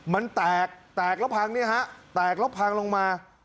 มันแตกแตกแล้วพังเนี่ยฮะแตกแล้วพังลงมา